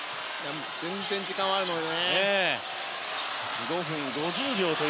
全然、時間はあるので。